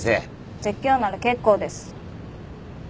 説教なら結構です。